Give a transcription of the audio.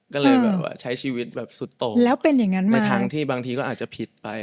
ก็เลยแบบว่าใช้ชีวิตแบบสุดโตในทางที่บางทีก็อาจจะผิดไป